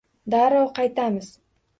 Darrov qaytamiz